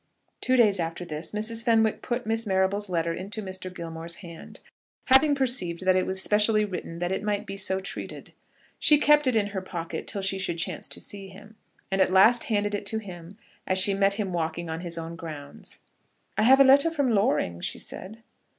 Two days after this Mrs. Fenwick put Miss Marrable's letter into Mr. Gilmore's hand, having perceived that it was specially written that it might be so treated. She kept it in her pocket till she should chance to see him, and at last handed it to him as she met him walking on his own grounds. "I have a letter from Loring," she said.